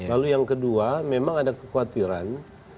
lalu yang kedua memang ada kekhawatiran